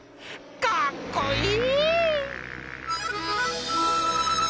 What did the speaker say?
かっこいい！